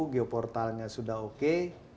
geoportalnya sudah oke